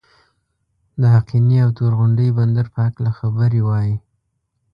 د آقینې او تور غونډۍ بندر په هکله خبرې وای.